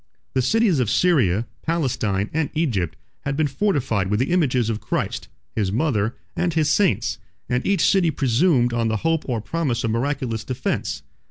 The cities of Syria, Palestine, and Egypt had been fortified with the images of Christ, his mother, and his saints; and each city presumed on the hope or promise of miraculous defence.